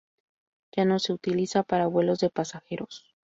Ya no se utiliza para vuelos de pasajeros.